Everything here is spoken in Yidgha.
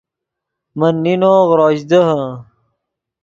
من نینو غروش دیہے